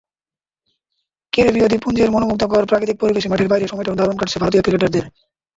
ক্যারিবীয় দ্বীপপুঞ্জের মনোমুগ্ধকর প্রাকৃতিক পরিবেশে মাঠের বাইরের সময়টাও দারুণ কাটছে ভারতীয় ক্রিকেটারদের।